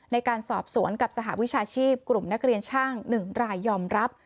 ในการสอบสวนกับสหวิชาชีพกลุ่มนักเรียนช่าง๑รายยอมรับ